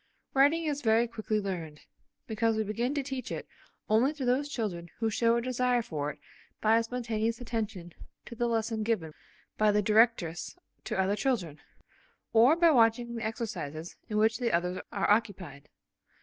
Writing is very quickly learned, because we begin to teach it only to those children who show a desire for it by spontaneous attention to the lesson given by the directress to other children, or by watching the exercises in which the others are occupied.